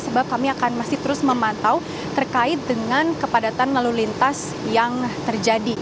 sebab kami akan masih terus memantau terkait dengan kepadatan lalu lintas yang terjadi